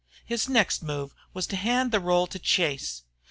His next move was to hand the roll to Chase.